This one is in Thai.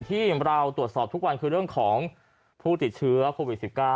ที่เราตรวจสอบทุกวันคือเรื่องของผู้ติดเชื้อโควิด๑๙